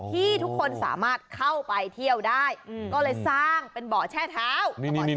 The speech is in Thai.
ที่ทุกคนสามารถเข้าไปเที่ยวได้อืมก็เลยสร้างเป็นบ่อแช่เท้านี่นี่นี่